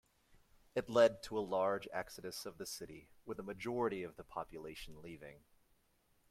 It led to a large exodus of the city, with a majority of the population leaving.